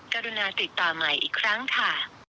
กรุณาติดต่อใหม่อีกครั้งค่ะ